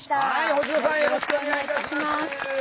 星野さんよろしくお願いいたします。